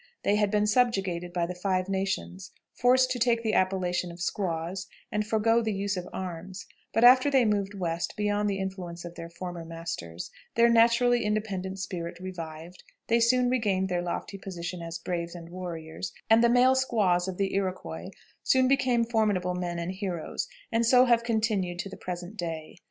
They had been subjugated by the Five Nations, forced to take the appellation of squaws, and forego the use of arms; but after they moved west, beyond the influence of their former masters, their naturally independent spirit revived, they soon regained their lofty position as braves and warriors, and the male squaws of the Iroquois soon became formidable men and heroes, and so have continued to the present day.